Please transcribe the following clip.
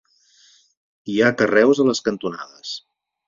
Hi ha carreus a les cantonades.